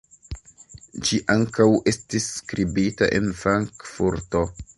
Ĝi ankaŭ estis skribita en Frankfurto.